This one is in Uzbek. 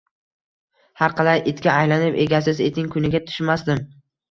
Harqalay, itga aylanib, egasiz itning kuniga tushmasdim